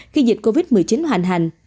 khi dịch covid một mươi chín hoàn hành